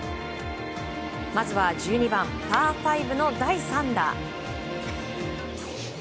まずは１２番、パー５の第３打。